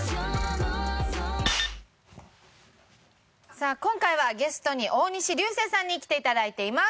さあ今回はゲストに大西流星さんに来ていただいています。